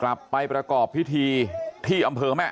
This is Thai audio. ชาวบ้านในพื้นที่บอกว่าปกติผู้ตายเขาก็อยู่กับสามีแล้วก็ลูกสองคนนะฮะ